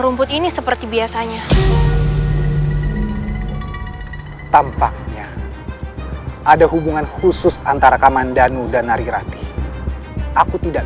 rumput ini seperti biasanya tampaknya ada hubungan khusus antara kamandanu dan narirati aku tidak